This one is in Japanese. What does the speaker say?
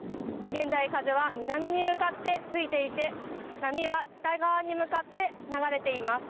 現在、風は南に向かって吹いていて波は北側に向かって流れています。